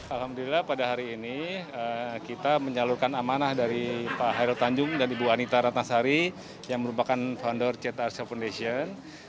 alhamdulillah pada hari ini kita menyalurkan amanah dari pak hairul tanjung dan ibu anita ratnasari yang merupakan founder ct arsa foundation